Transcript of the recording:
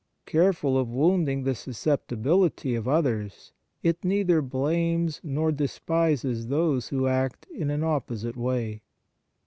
Careful of wounding the susceptibility of others, it neither blames nor despises those who act in an opposite way.